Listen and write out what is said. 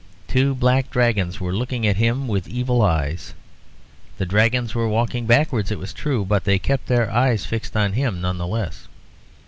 Two black dragons were looking at him with evil eyes. The dragons were walking backwards it was true, but they kept their eyes fixed on him none the less.